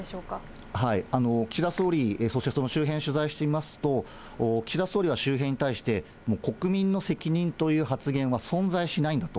岸田総理、そしてその周辺、取材してみますと、岸田総理は周辺に対して、国民の責任という発言は存在しないんだと。